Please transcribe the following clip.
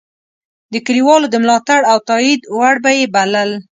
د کلیوالو د ملاتړ او تایید وړ به یې بلل.